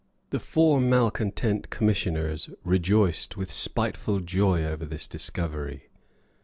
The four malecontent commissioners rejoiced with spiteful joy over this discovery.